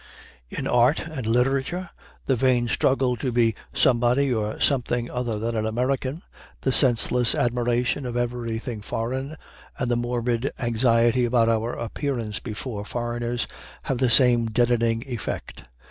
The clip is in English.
In art and literature the vain struggle to be somebody or something other than an American, the senseless admiration of everything foreign, and the morbid anxiety about our appearance before foreigners have the same deadening effect.